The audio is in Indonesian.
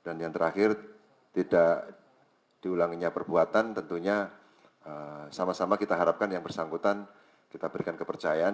dan yang terakhir tidak diulanginya perbuatan tentunya sama sama kita harapkan yang bersangkutan kita berikan kepercayaan